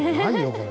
これ。